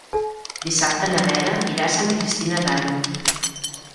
Dissabte na Vera irà a Santa Cristina d'Aro.